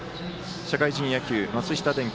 社会人野球松下電器